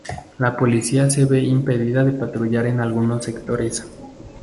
La policía se ve impedida de patrullar en algunos sectores.